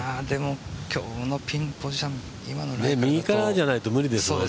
今日のピンポジション、今のライからだと右からじゃないと無理ですもんね。